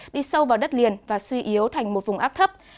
đi sâu vào đất liền và suy yếu thành một vùng áp thấp